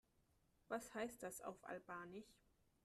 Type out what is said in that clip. Was heißt das auf Albanisch?